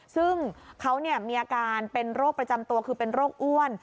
ซึ่งเขามีอาการเป็นโรคประจำตัวคือเป็นโรคอ้วน